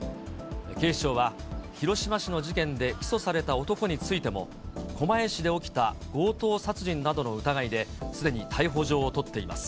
警視庁は、広島市の事件で起訴された男についても、狛江市で起きた強盗殺人などの疑いで、すでに逮捕状を取っています。